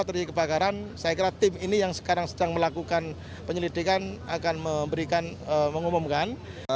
terjadi kebakaran saya kira tim ini yang sekarang sedang melakukan penyelidikan akan memberikan mengumumkan